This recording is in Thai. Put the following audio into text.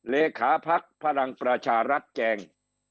เหลขาพักภรรงประชารัฐแจง